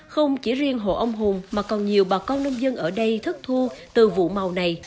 không chỉ riêng hộ ông hùng mà còn nhiều bà con nông dân ở đây thất thu từ vụ màu này